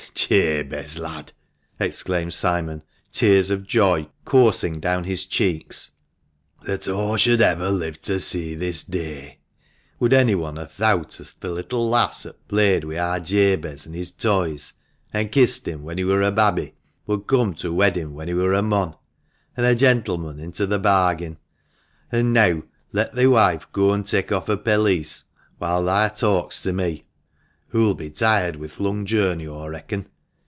" Eh, Jabez, lad," exclaimed Simon, tears of joy coursing down his cheeks, " that aw should ever live to see this day ! Would annyone ha' thowt as th' little lass at' played wi' ar Jabez an' his toys, an1 kissed him when he wur a babby, would come to wed him when he wur a mon — an' a gentlemen into th' bargain ! An' neaw let thi wife goo an* tak' off her pelisse while thah talks to me ; hoo'll be tired wi' th' lung journey, aw reckon.